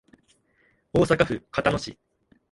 大阪府交野市